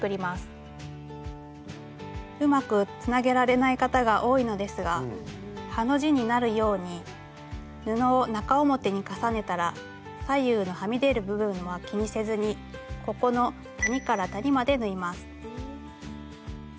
うまくつなげられない方が多いのですがハの字になるように布を中表に重ねたら左右のはみ出る部分は気にせずにここの谷から谷まで縫います。